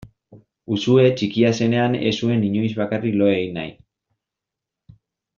Uxue txikia zenean ez zuen inoiz bakarrik lo egin nahi.